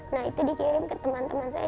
nah itu dikirim ke teman teman saya